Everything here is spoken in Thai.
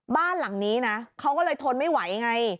บ้านหลังนี้นะเขาก็เลยทนไม่ไหวไง